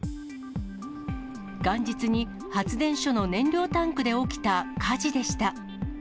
元日に発電所の燃料タンクで起きた火事でした。